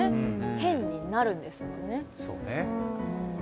変になるんですよね。